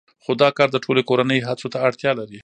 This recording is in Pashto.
خو دا کار د ټولې کورنۍ هڅو ته اړتیا لري